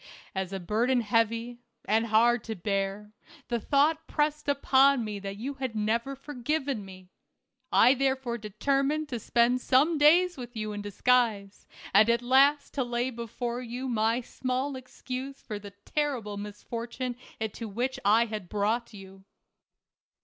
As a burden heavy, and hard to bear, the thought pressed upon me that you had never forgiven me. I therefore determined to spend some days with you in disguise, and at last to lay before you my small excuse for the terrible misfortune into which 1 had brought you.